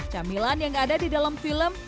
camilan yang ada di dalam film